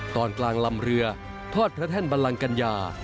ตอนกลางลำเรือทอดพระแท่นบัลลังกัญญา